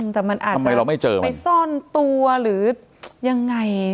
อืมแต่มันอาจจะไปซ่อนตัวหรือยังไง